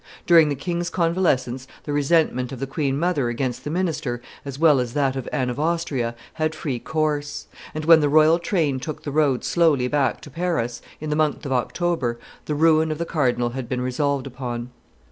During the king's convalescence, the resentment of the queen mother against the minister, as well as that of Anne of Austria, had free course; and when the royal train took the road slowly back to Paris, in the month of October, the ruin of the cardinal had been resolved upon.